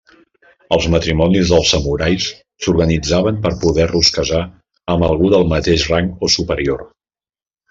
Els matrimonis dels samurais s'organitzaven per poder-los casar amb algú del mateix rang o superior.